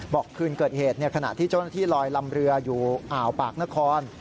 คืนเกิดเหตุขณะที่เจ้าหน้าที่ลอยลำเรืออยู่อ่าวปากนคร